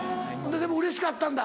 でもうれしかったんだ